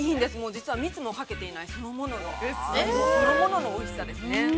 実は蜜かけていない、そのもののおいしさですね。